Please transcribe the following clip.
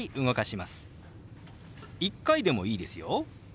１回でもいいですよ。